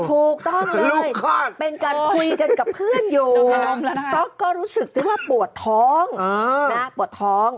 ถูกต้องเป็นการคุยกันกับเพื่อนอยู่ป๊อกก็รู้สึกที่ว่าปวดท้องปวดท้อง